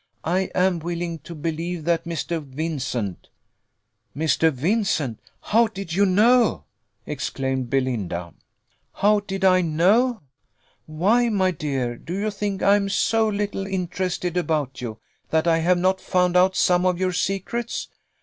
I am willing to believe that Mr. Vincent " "Mr. Vincent! How did you know " exclaimed Belinda. "How did I know? Why, my dear, do you think I am so little interested about you, that I have not found out some of your secrets?